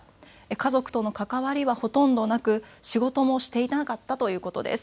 家族との関わりはほとんどなく仕事もしていなかったということです。